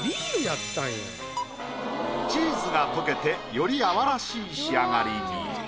チーズが溶けてより泡らしい仕上がりに。